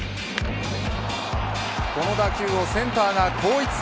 この打球をセンターが後逸。